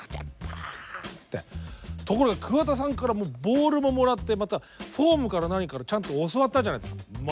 ところが桑田さんからボールももらってまたフォームから何からちゃんと教わったじゃないですか。